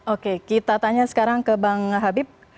oke kita tanya sekarang ke bang habib